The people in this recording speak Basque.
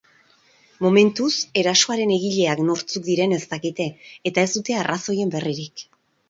Momentuz erasoaren egileak nortzuk diren ez dakite eta ez dute arrazoien berririk.